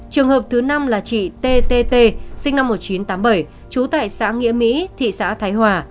trường hợp thứ năm là chị tt sinh năm một nghìn chín trăm tám mươi bảy trú tại xã nghĩa mỹ thị xã thái hòa